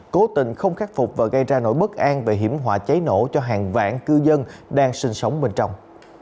cố tình không khắc phục và gây ra nỗi bất an về hiểm họa cháy nổ cho hàng vạn cư dân đang sinh sống bên trong